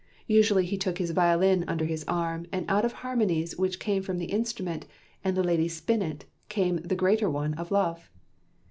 Usually he took his violin under his arm, and out of the harmonies which came from the instrument and the lady's spinet came the greater one of love.